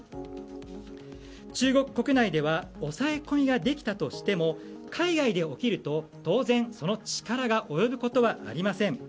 中国国内では抑え込みができたとしても海外で起きると、当然その力が及ぶことはありません。